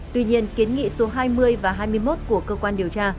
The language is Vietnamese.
tuy nhiên kiến nghị số hai mươi và hai mươi một của cơ quan điều tra